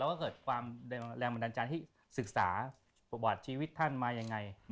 ว่าเกิดความแรงบันดาลใจที่ศึกษาประวัติชีวิตท่านมายังไง